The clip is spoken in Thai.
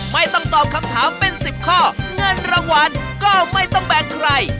ไม่ต้องตอบคำถามเป็น๑๐ข้อเงินรางวัลก็ไม่ต้องแบ่งใคร